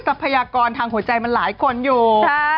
ทรัพยากรทางหัวใจมันหลายคนอยู่